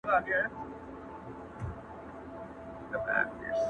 نه ټپه سته په میوند کي نه یې شور په ملالۍ کي!!